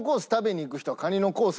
カニのコース